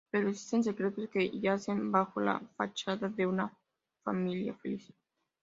Pero existen secretos que yacen bajo la fachada de una familia feliz.